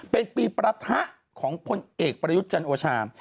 เป็นปีประทะของพลเอกประยุทธ์จันโอชา